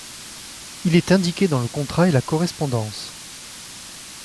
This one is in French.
Il est indiqué dans le contrat et la correspondance.